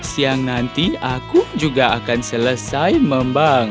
siang nanti aku juga akan selesai membangun